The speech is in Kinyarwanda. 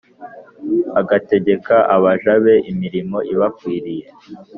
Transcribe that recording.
Agategeka abaja be imirimo ibakwiriye